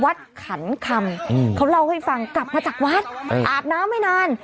ขันคำเขาเล่าให้ฟังกลับมาจากวัดอาบน้ำไม่นาน